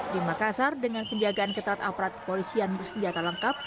di makassar dengan penjagaan ketat aparat kepolisian bersenjata lengkap